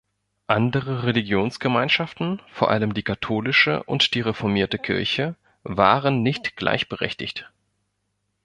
Andere Religionsgemeinschaften, vor allem die katholische und die reformierte Kirche, waren nicht gleichberechtigt.